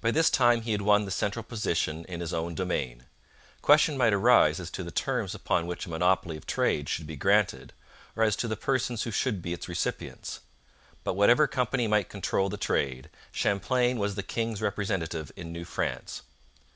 By this time he had won the central position in his own domain. Question might arise as to the terms upon which a monopoly of trade should be granted, or as to the persons who should be its recipients. But whatever company might control the trade, Champlain was the king's representative in New France.